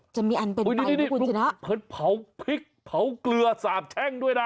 จะมีอันเป็นใบให้คุณชนะเฮ้ยเผ็ดเผาพริกเผาเกลือสาบแช่งด้วยนะ